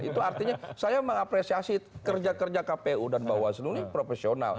itu artinya saya mengapresiasi kerja kerja kpu dan bawaslu ini profesional